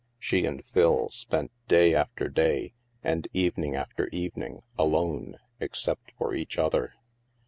She and Phil spent day after day and evening after evening alone, except for each other.